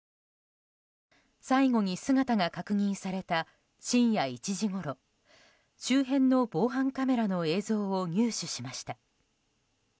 最後に姿が確認された深夜１時ごろ周辺の防犯カメラの映像を入手しました。